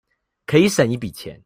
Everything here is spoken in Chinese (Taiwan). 可以省一筆錢